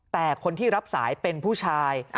แต่คนที่รับสายเป็นผู้ชาย